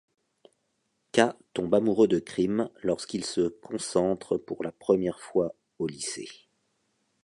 K tombe amoureux de Cream lorsqu'ils se concentrent pour la première fois au lycée.